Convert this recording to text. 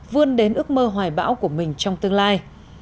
vươn đến ước mơ hoài bão của mình trong tương lai